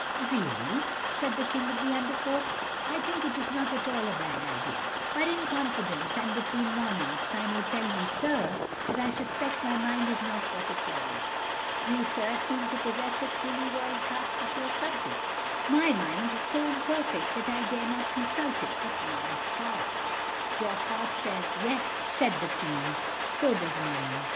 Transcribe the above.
"Really," said the King of the Under Folk, "I think it is not at all a bad idea—but in confidence, and between Monarchs, I may tell you, sir, that I suspect my mind is not what it was. You, sir, seem to possess a truly royal grasp of your subject. My mind is so imperfect that I dare not consult it. But my heart—" "Your heart says Yes," said the Queen. "So does mine.